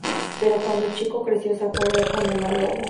Pero cuando el chico creció se aparea con la lobo.